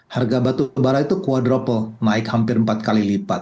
harga batu bara itu quadruple naik hampir empat kali lipat